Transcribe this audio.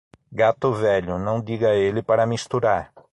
Gato velho, não diga a ele para misturar.